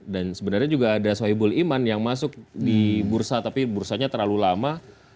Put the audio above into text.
dan sebenarnya juga ada sohibul iman yang masuk di bursa tapi bursanya terlalu lama